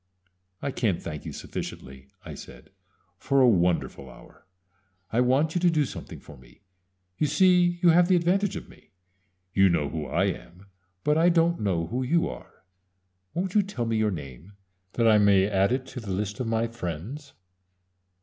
"I can't thank you sufficiently," I said, "for a wonderful hour. I want you to do something for me. You see you have the advantage of me. You know who I am; but I don't know who you are. Won't you tell me your name, that I may add it to the list of my friends?"